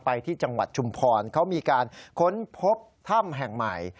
ไปที่จังหวัดชุมพรเขามีการค้นพบถ้ำแห่งใหม่